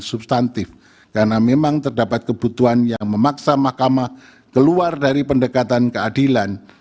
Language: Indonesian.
sebab tidak ada kebutuhan atau urgensi yang memaksa mahkamah untuk keluar dari paradigma keadilan